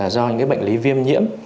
do những bệnh lý viêm nhiễm